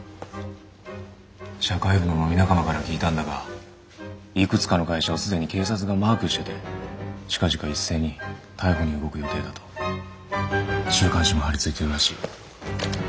社会部の飲み仲間から聞いたんだがいくつかの会社を既に警察がマークしてて近々一斉に逮捕に動く予定だと。週刊誌も張りついてるらしい。